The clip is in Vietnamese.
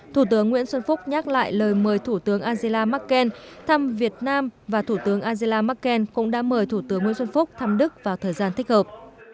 thủ tướng nguyễn xuân phúc nhắc lại lời mời thủ tướng angela merkel thăm việt nam và thủ tướng angela merkel cũng đã mời thủ tướng nguyễn xuân phúc thăm đức vào thời gian thích hợp